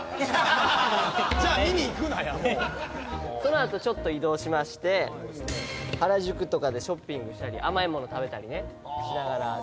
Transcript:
そのあとちょっと移動しまして原宿とかでショッピングしたり甘いもの食べたりしながら。